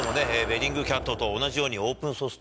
ベリングキャットと同じように。